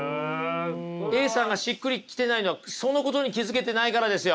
Ａさんがしっくり来てないのはそのことに気付けてないからですよ。